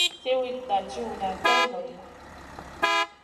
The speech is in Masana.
Siwitna tchiwda tay lo ɗi.